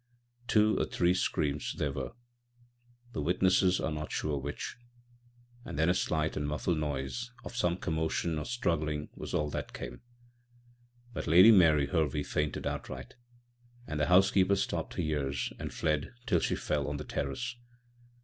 Two or three screams there were â€" the witnesses are not sure which â€" and then a slight and muffled noise of some commotion or struggling was all that came. But Lady Mary Hervey fainted outright; and the housekeeper stopped her ears and fled till she fell on the terrace.